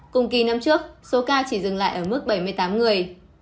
cùng kỳ năm trước số ca chỉ dừng lại ở mức bảy mươi tám người